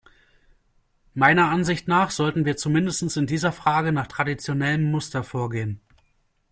Meiner Ansicht nach sollten wir zumindest in dieser Frage nach traditionellem Muster vorgehen.